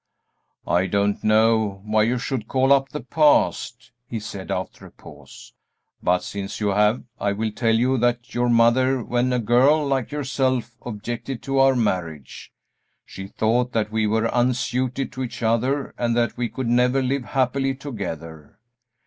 "I don't know why you should call up the past," he said, after a pause, "but since you have I will tell you that your mother when a girl like yourself objected to our marriage; she thought that we were unsuited to each other and that we could never live happily together.